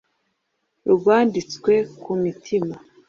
Rwanditswe ku mitima